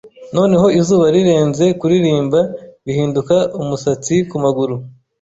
Noneho izuba rirenze, kuririmba bihinduka umusatsi kumaguru